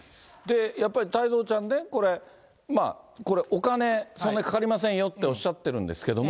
やっぱり太蔵ちゃんね、これ、まあ、これ、お金、そんなにかかりませんよっておっしゃってるんですけれども、